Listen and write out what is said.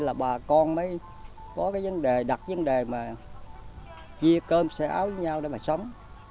là bà con mới có cái vấn đề đặt vấn đề mà chia cơm xe áo với nhau để mà sống